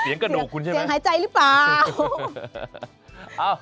เสียงกระโหนกคุณเสียงหายใจหรือเปล่า